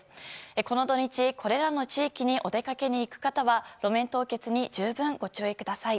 この土日、これらの地域にお出かけに行く方は路面凍結に十分ご注意ください。